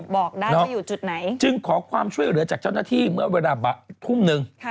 บอกได้ว่าอยู่จุดไหนจึงขอความช่วยเหลือจากเจ้าหน้าที่เมื่อเวลาทุ่มนึง